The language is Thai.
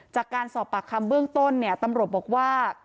จากการสอบปากคำเบื้องต้นเนี่ยตำรวจบอกว่า